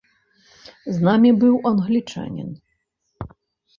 З намі быў англічанін.